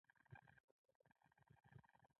د پیتالوژي علم د ژوند ساتونکې سترګې دي.